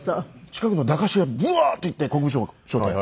近くの駄菓子屋ブワーッと行って御門の商店。